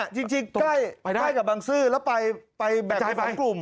นี่จริงใกล้กับบางซื่อแล้วไปแบบทั้ง๒กลุ่ม